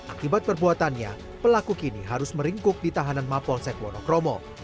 akibat perbuatannya pelaku kini harus meringkuk di tahanan mapolsek wonokromo